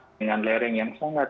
dengan lereng yang sangat